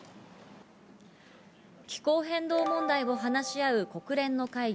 気候変動問題を話し合う国連の会議